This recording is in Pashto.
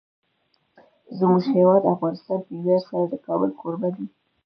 زموږ هیواد افغانستان په ویاړ سره د کابل کوربه دی.